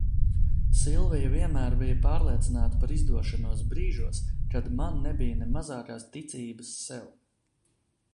Silvija vienmēr bija pārliecināta par izdošanos brīžos, kad man nebija ne mazākās ticības sev.